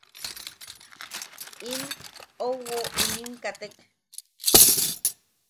In ouwo inim katek.